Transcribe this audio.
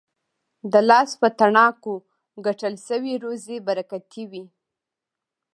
د لاس په تڼاکو ګټل سوې روزي برکتي وي.